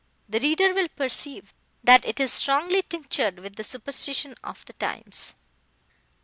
The reader will perceive that it is strongly tinctured with the superstition of the times.